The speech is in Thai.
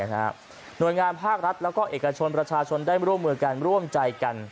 หน่วยงานภาครัฐแล้วก็เอกชนประชาชนได้ร่วมมือกันร่วมใจกัน